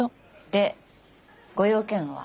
でご用件は？